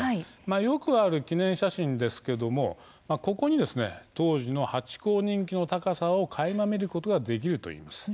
よくある記念写真ですけれどもここに当時のハチ公人気の高さをかいま見ることができるといいます。